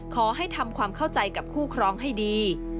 ขอให้ทำความเข้าใจกับคู่ครองให้ดี